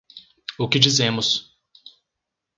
O que dizemos